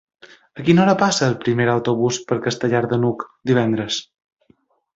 A quina hora passa el primer autobús per Castellar de n'Hug divendres?